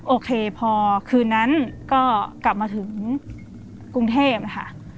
โอเคพอคืนนั้นก็กลับมาถึงกรุงเทพนะคะ